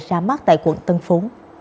ra mắt tại quận tân phú